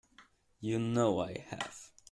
You know I have.